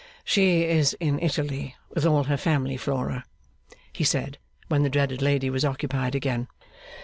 'She is in Italy, with all her family, Flora,' he said, when the dreaded lady was occupied again.